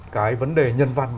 cái vấn đề nhân văn